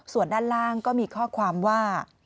ส่วนด้านล่างก็มีข้อความว่า